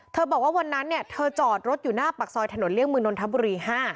บอกว่าวันนั้นเธอจอดรถอยู่หน้าปากซอยถนนเลี่ยงมือนนทบุรี๕